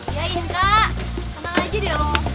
iya iya kak tenang aja deh lo